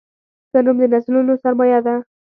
ښه نوم د نسلونو سرمایه ده.